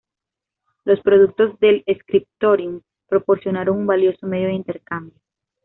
Los productos del "scriptorium" proporcionaron un valioso medio de intercambio.